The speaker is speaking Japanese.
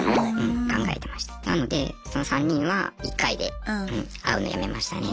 なのでその３人は１回で会うのやめましたね。